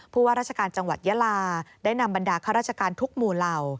ว่าราชการจังหวัดยาลาได้นำบรรดาข้าราชการทุกหมู่เหล่า